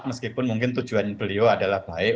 meskipun mungkin tujuan beliau adalah baik